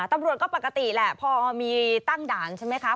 ตำรวจก็ปกติแหละพอมีตั้งด่านใช่ไหมคะ